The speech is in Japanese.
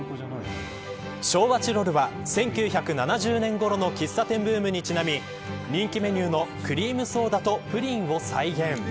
昭和チロルは１９７０年ごろの喫茶店ブームにちなみ人気メニューのクリームソーダとプリンを再現。